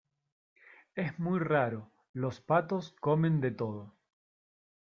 es muy raro, los patos comen de todo